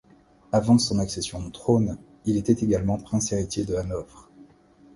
Avant son accession au trône, il était également prince héritier de Hanovre.